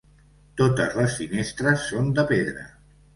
Totes les finestres són de pedra.